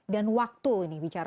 dan waktu nih bicara